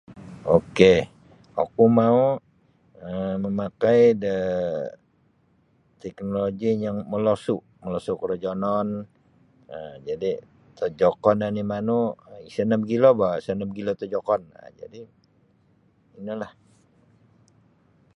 Ok oku mau um mamakai da teknoloji yang molosu molosu korojonon um jadi tojokon oni manu isa nio mogilo boh isa nio mogilo tojokon jadi inolah.